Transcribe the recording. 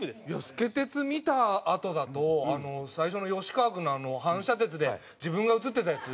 透け鉄見たあとだと最初の吉川君の反射鉄で自分が映ってたやつ？